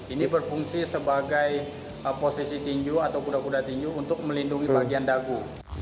ini berfungsi sebagai posisi tinju atau kuda kuda tinju untuk melindungi bagian dagu